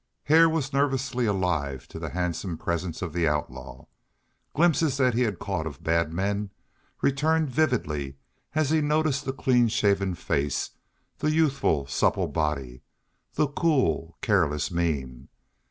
Hare was nervously alive to the handsome presence of the outlaw. Glimpses that he had caught of "bad" men returned vividly as he noted the clean shaven face, the youthful, supple body, the cool, careless mien.